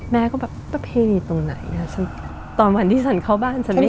แม่ก็แบบประเพณีตรงไหนอ่ะฉันตอนวันที่ฉันเข้าบ้านฉันไม่